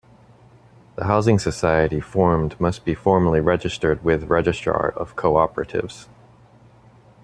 The housing society formed must be formally registered with registrar of co-operatives.